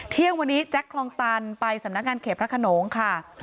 เที่ยงวันนี้แจ็คคลองตันไปสำนักงานเขตพระขนงค่ะ